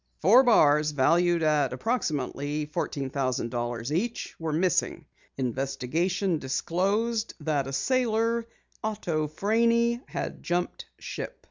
Four bars valued at approximately fourteen thousand dollars each were missing. Investigation disclosed that a sailor, Otto Franey, had jumped ship.